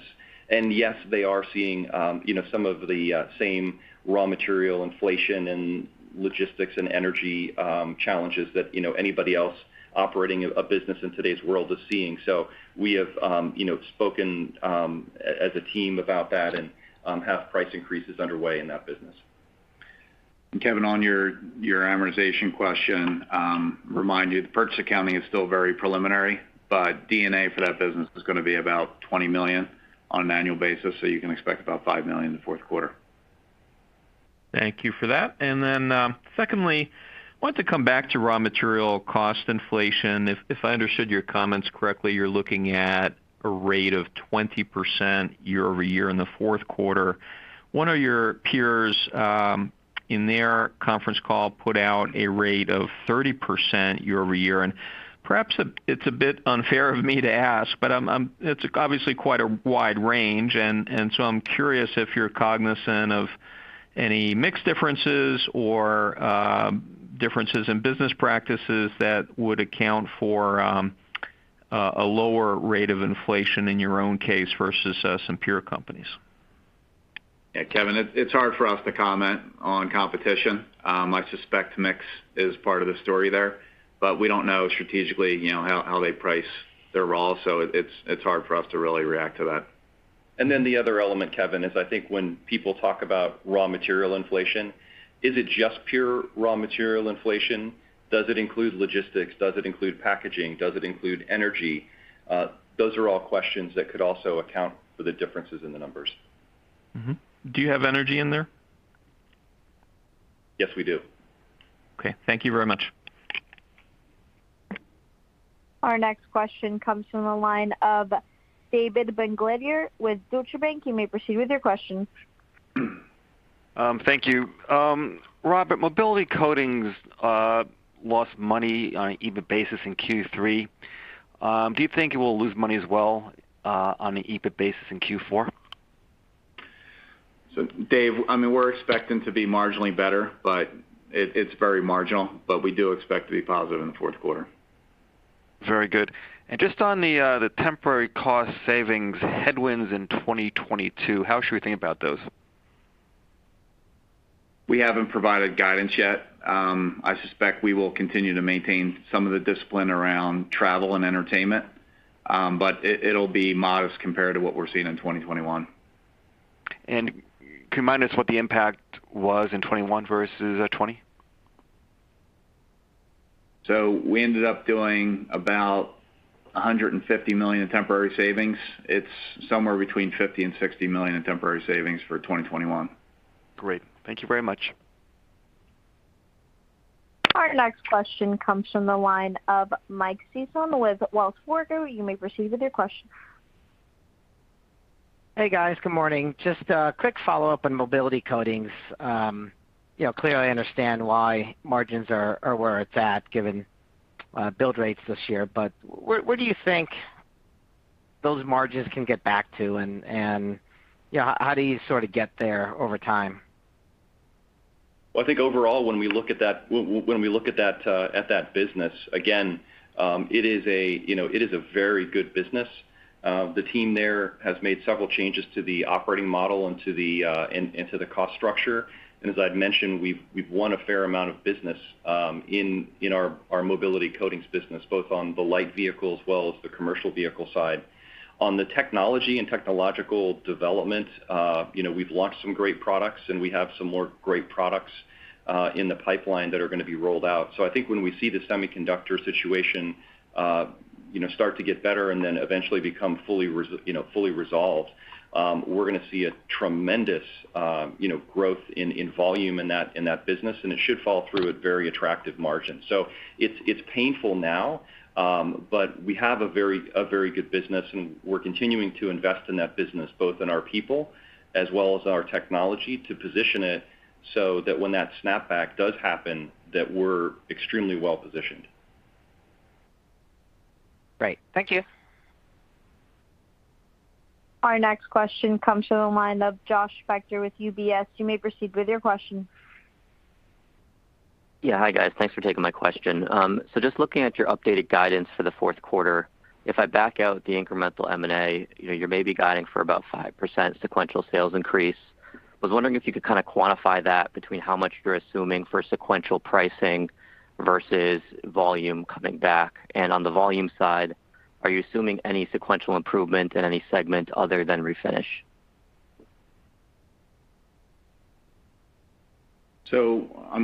Yes, they are seeing you know, some of the same raw material inflation and logistics and energy challenges that you know, anybody else operating a business in today's world is seeing. We have you know, spoken as a team about that and have price increases underway in that business.
Kevin, on your amortization question, remind you the purchase accounting is still very preliminary, but D&A for that business is gonna be about $20 million on an annual basis, so you can expect about $5 million in the Q4.
Thank you for that. Secondly, I want to come back to raw material cost inflation. If I understood your comments correctly, you're looking at a rate of 20% year-over-year in the Q4. One of your peers in their conference call put out a rate of 30% year-over-year, and perhaps it's a bit unfair of me to ask, but it's obviously quite a wide range. I'm curious if you're cognizant of any mix differences or differences in business practices that would account for a lower rate of inflation in your own case versus some peer companies.
Yeah, Kevin, it's hard for us to comment on competition. I suspect mix is part of the story there, but we don't know strategically, you know, how they price their raw. It's hard for us to really react to that. The other element, Kevin, is I think when people talk about raw material inflation, is it just pure raw material inflation? Does it include logistics? Does it include packaging? Does it include energy? Those are all questions that could also account for the differences in the numbers.
Do you have energy in there?
Yes, we do.
Okay. Thank you very much.
Our next question comes from the line of David Begleiter with Deutsche Bank. You may proceed with your question.
Thank you. Robert, Mobility Coatings lost money on an EBIT basis in Q3. Do you think it will lose money as well, on the EBIT basis in Q4?
Dave, I mean, we're expecting to be marginally better, but it's very marginal, but we do expect to be positive in the Q4.
Very good. Just on the temporary cost savings headwinds in 2022, how should we think about those?
We haven't provided guidance yet. I suspect we will continue to maintain some of the discipline around travel and entertainment. It'll be modest compared to what we're seeing in 2021.
Can you remind us what the impact was in 2021 versus 2020?
We ended up doing about $150 million in temporary savings. It's somewhere between $50 million and $60 million in temporary savings for 2021.
Great. Thank you very much.
Our next question comes from the line of Mike Sison with Wells Fargo. You may proceed with your question.
Hey, guys. Good morning. Just a quick follow-up on Mobility Coatings. You know, clearly I understand why margins are where it's at, given build rates this year. Where do you think those margins can get back to? You know, how do you sort of get there over time?
Well, I think overall, when we look at that, at that business, again, you know, it is a very good business. The team there has made several changes to the operating model and to the cost structure. As I've mentioned, we've won a fair amount of business in our Mobility Coatings business, both on the light vehicle as well as the commercial vehicle side. On the technology and technological development, you know, we've launched some great products, and we have some more great products in the pipeline that are gonna be rolled out. I think when we see the semiconductor situation, you know, start to get better and then eventually become fully resolved, you know, we're gonna see a tremendous, you know, growth in volume in that business, and it should fall through at very attractive margins. It's painful now, but we have a very good business, and we're continuing to invest in that business, both in our people as well as our technology to position it so that when that snapback does happen, that we're extremely well-positioned.
Great. Thank you.
Our next question comes from the line of Josh Spector with UBS. You may proceed with your question.
Yeah. Hi, guys. Thanks for taking my question. So just looking at your updated guidance for the Q4, if I back out the incremental M&A, you know, you may be guiding for about 5% sequential sales increase. I was wondering if you could kind of quantify that between how much you're assuming for sequential pricing versus volume coming back. On the volume side, are you assuming any sequential improvement in any segment other than Refinish?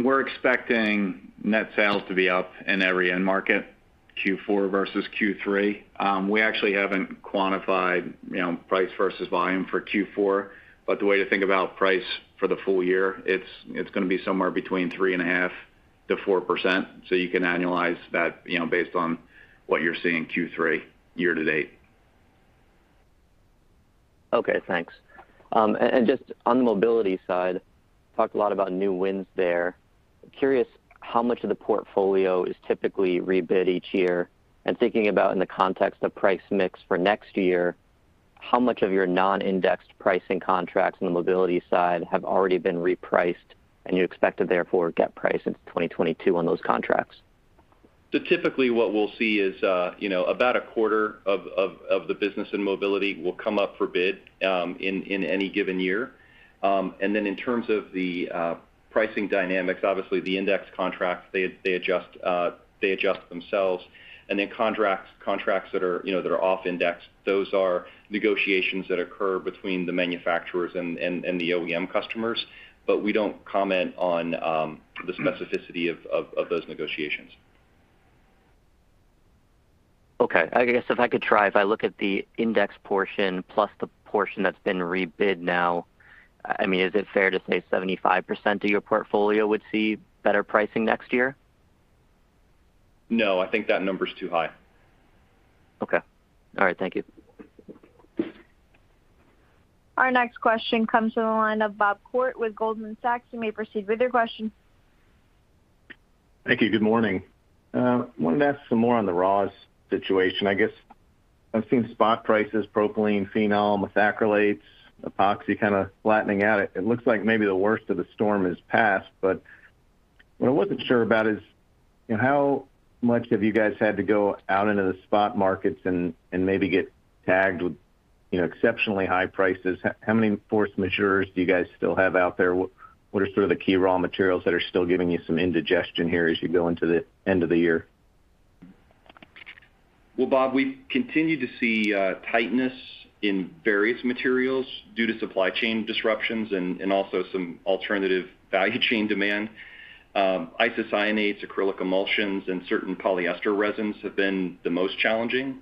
We're expecting net sales to be up in every end market, Q4 versus Q3. We actually haven't quantified, you know, price versus volume for Q4. The way to think about price for the full year, it's gonna be somewhere between 3.5%-4%. You can annualize that, you know, based on what you're seeing Q3 year to date.
Okay, thanks. And just on the Mobility side, talked a lot about new wins there. Curious how much of the portfolio is typically rebid each year? Thinking about in the context of price mix for next year, how much of your non-indexed pricing contracts in the Mobility side have already been repriced and you expect to therefore get price into 2022 on those contracts?
Typically what we'll see is, you know, about a quarter of the business in Mobility will come up for bid, in any given year. In terms of the pricing dynamics, obviously the index contracts, they adjust themselves. Contracts that are, you know, that are off index, those are negotiations that occur between the manufacturers and the OEM customers. We don't comment on the specificity of those negotiations.
Okay. I guess if I could try, if I look at the index portion plus the portion that's been rebid now, I mean, is it fair to say 75% of your portfolio would see better pricing next year?
No, I think that number is too high.
Okay. All right. Thank you.
Our next question comes from the line of Bob Koort with Goldman Sachs. You may proceed with your question.
Thank you. Good morning. Wanted to ask some more on the raws situation. I guess I've seen spot prices, propylene, phenol, methacrylates, epoxy, kind of flattening out. It looks like maybe the worst of the storm has passed, but what I wasn't sure about is, how much have you guys had to go out into the spot markets and maybe get tagged with, you know, exceptionally high prices? How many force majeure do you guys still have out there? What are sort of the key raw materials that are still giving you some indigestion here as you go into the end of the year?
Well, Bob, we continue to see tightness in various materials due to supply chain disruptions and also some alternative value chain demand. Isocyanates, acrylic emulsions, and certain polyester resins have been the most challenging.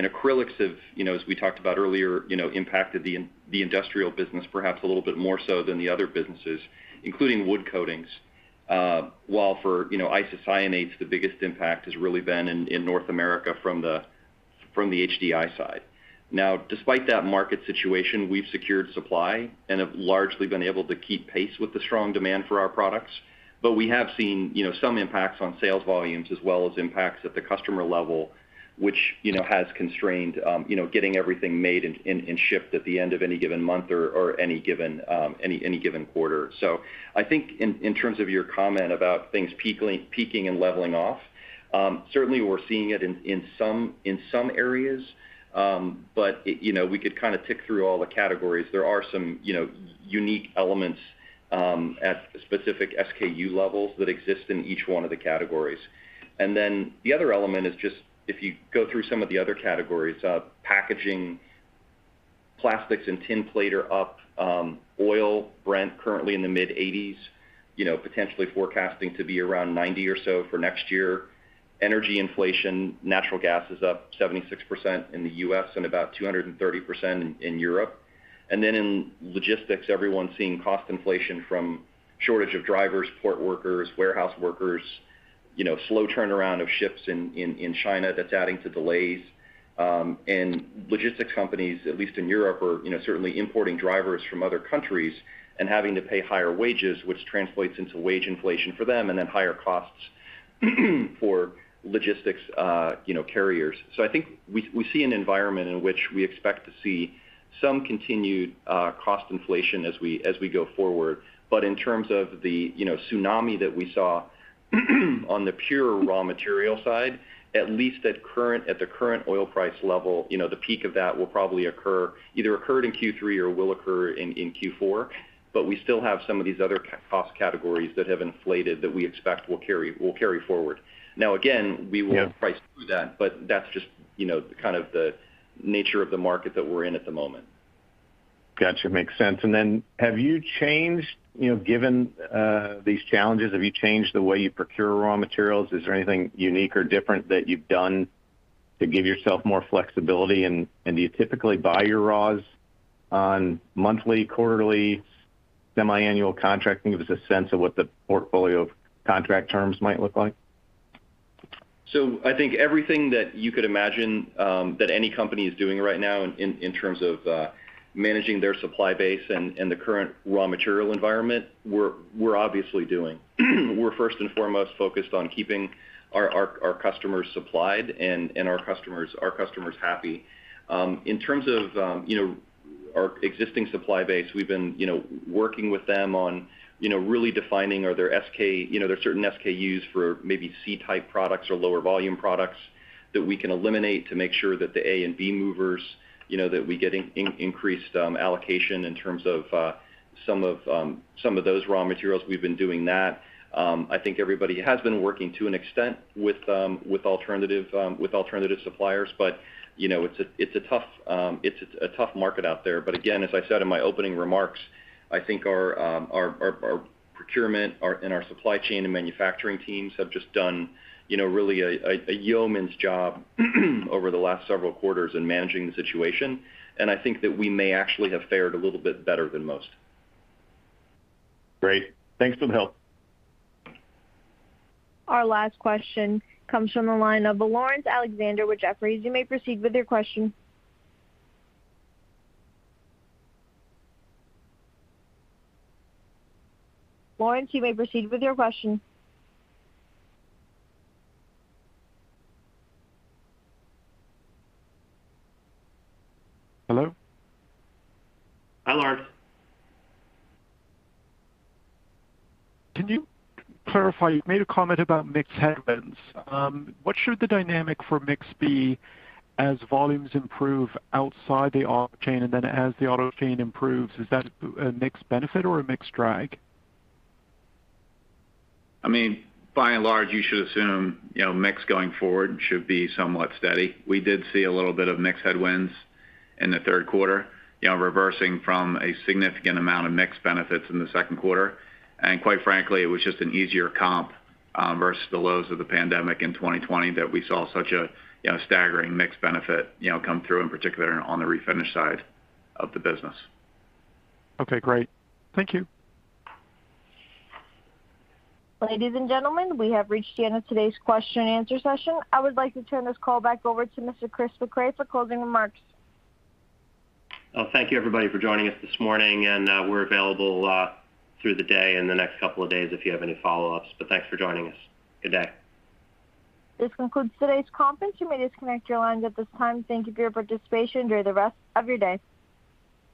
Acrylics have, you know, as we talked about earlier, you know, impacted the industrial business perhaps a little bit more so than the other businesses, including wood coatings. While for, you know, isocyanates, the biggest impact has really been in North America from the HDI side. Now, despite that market situation, we've secured supply and have largely been able to keep pace with the strong demand for our products. We have seen, you know, some impacts on sales volumes as well as impacts at the customer level, which, you know, has constrained, you know, getting everything made and shipped at the end of any given month or any given quarter. I think in terms of your comment about things peaking and leveling off, certainly we're seeing it in some areas. You know, we could kind of tick through all the categories. There are some, you know, unique elements at specific SKU levels that exist in each one of the categories. Then the other element is just if you go through some of the other categories, packaging, plastics and tin plate are up. Oil, Brent currently in the mid-$80s, you know, potentially forecasting to be around $90 or so for next year. Energy inflation, natural gas is up 76% in the U.S. and about 230% in Europe. In logistics, everyone's seeing cost inflation from shortage of drivers, port workers, warehouse workers, you know, slow turnaround of ships in China that's adding to delays. Logistics companies, at least in Europe, are, you know, certainly importing drivers from other countries and having to pay higher wages, which translates into wage inflation for them and then higher costs for logistics carriers. I think we see an environment in which we expect to see some continued cost inflation as we go forward. In terms of the, you know, tsunami that we saw on the pure raw material side, at least at the current oil price level, you know, the peak of that will probably occur either occurred in Q3 or will occur in Q4. We still have some of these other cost categories that have inflated that we expect will carry forward. Now, again, we will price through that, but that's just, you know, kind of the nature of the market that we're in at the moment.
Got you. Makes sense. You know, given these challenges, have you changed the way you procure raw materials? Is there anything unique or different that you've done to give yourself more flexibility? Do you typically buy your raws on monthly, quarterly, semi-annual contracting? Give us a sense of what the portfolio of contract terms might look like.
I think everything that you could imagine that any company is doing right now in terms of managing their supply base and the current raw material environment, we're obviously doing. We're first and foremost focused on keeping our customers supplied and our customers happy. In terms of you know our existing supply base, we've been you know working with them on you know really defining are there certain SKUs for maybe C-type products or lower volume products that we can eliminate to make sure that the A and B movers you know that we get increased allocation in terms of some of those raw materials. We've been doing that. I think everybody has been working to an extent with alternative suppliers. You know, it's a tough market out there. Again, as I said in my opening remarks, I think our procurement and our supply chain and manufacturing teams have just done, you know, really a yeoman's job over the last several quarters in managing the situation. I think that we may actually have fared a little bit better than most.
Great. Thanks for the help.
Our last question comes from the line of Laurence Alexander with Jefferies. You may proceed with your question. Laurence, you may proceed with your question.
Hello?
Hi, Laurence.
Can you clarify, you made a comment about mix headwinds. What should the dynamic for mix be as volumes improve outside the auto chain and then as the auto chain improves? Is that a mixed benefit or a mixed drag?
I mean, by and large, you should assume, you know, mix going forward should be somewhat steady. We did see a little bit of mix headwinds in the Q3, you know, reversing from a significant amount of mix benefits in the Q2. Quite frankly, it was just an easier comp versus the lows of the pandemic in 2020 that we saw such a, you know, staggering mix benefit, you know, come through, in particular on the refinish side of the business.
Okay, great. Thank you.
Ladies and gentlemen, we have reached the end of today's question and answer session. I would like to turn this call back over to Mr. Christopher Mecray for closing remarks.
Well, thank you everybody for joining us this morning, and we're available through the day and the next couple of days if you have any follow-ups. Thanks for joining us. Good day.
This concludes today's conference. You may disconnect your lines at this time. Thank you for your participation. Enjoy the rest of your day.